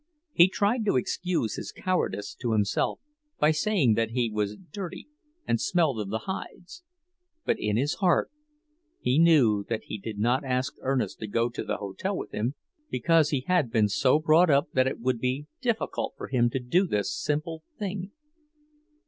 He tried to excuse his cowardice to himself by saying that he was dirty and smelled of the hides; but in his heart he knew that he did not ask Ernest to go to the hotel with him because he had been so brought up that it would be difficult for him to do this simple thing.